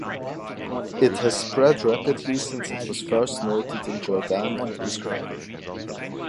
It has spread rapidly since it was first noted in Jordan and Israel.